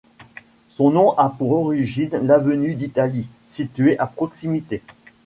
Son nom a pour origine l'avenue d'Italie, située à proximité.